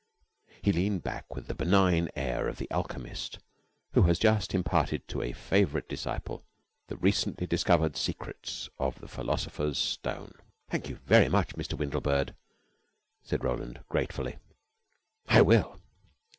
He leaned back with the benign air of the Alchemist who has just imparted to a favorite disciple the recently discovered secret of the philosopher's stone. "Thank you very much, Mr. Windlebird," said Roland gratefully. "I will."